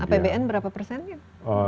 apbn berapa persen